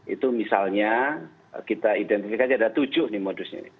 itu misalnya kita identifikasi ada tujuh nih modusnya